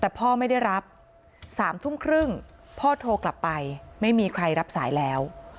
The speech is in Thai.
แต่พ่อไม่ได้รับ๓ทุ่มครึ่งพ่อโทรกลับไปไม่มีใครรับสายแล้ว